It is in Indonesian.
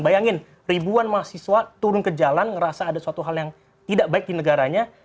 bayangin ribuan mahasiswa turun ke jalan ngerasa ada suatu hal yang tidak baik di negaranya